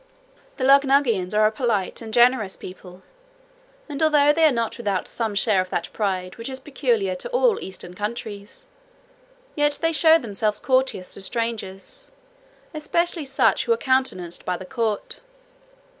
The Luggnaggians are a polite and generous people; and although they are not without some share of that pride which is peculiar to all Eastern countries, yet they show themselves courteous to strangers, especially such who are countenanced by the court.